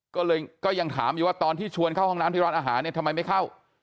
ก็เลยก็ยังถามอยู่ว่าตอนที่ชวนเข้าห้องน้ำที่ร้านอาหารเนี่ยทำไมไม่เข้า